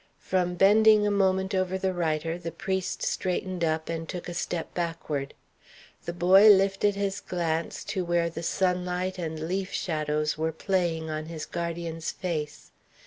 From bending a moment over the writer, the priest straightened up and took a step backward. The boy lifted his glance to where the sunlight and leaf shadows were playing on his guardian's face.